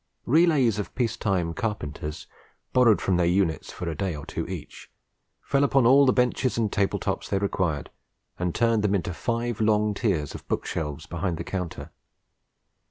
Relays of peace time carpenters, borrowed from their units for a day or two each, fell upon all the benches and table tops they required, and turned them into five long tiers of book shelves behind the counter.